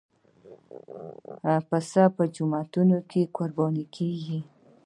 پسه په جوماتونو کې قرباني کېږي.